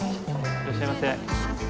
いらっしゃいませ。